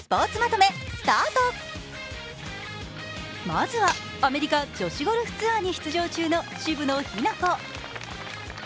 まずはアメリカ女子ゴルフツアーに出場中の渋野日向子。